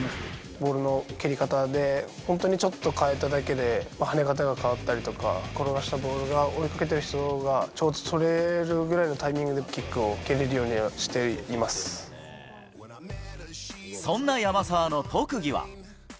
ボールの蹴り方で、本当にちょっと変えただけで、跳ね方が変わったりとか、転がしたボールが、追いかけてる人がちょうど取れるぐらいのタイミングでキックを蹴そんな山沢の特技は。